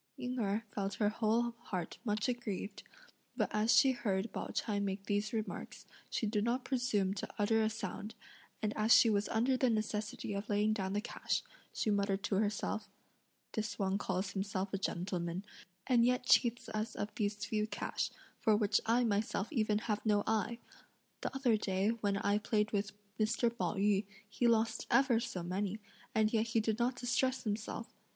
Ying Erh felt her whole heart much aggrieved, but as she heard Pao ch'ai make these remarks, she did not presume to utter a sound, and as she was under the necessity of laying down the cash, she muttered to herself: "This one calls himself a gentleman, and yet cheats us of these few cash, for which I myself even have no eye! The other day when I played with Mr. Pao yü, he lost ever so many, and yet he did not distress himself!